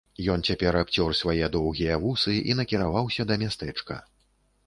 Ён цяпер абцёр свае доўгія вусы і накіраваўся да мястэчка.